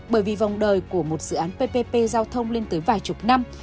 bởi vì vòng đời của một dự án ppp giao thông lên tới vài chục năm